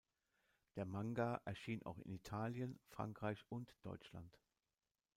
Der Manga erschien auch in Italien, Frankreich und Deutschland.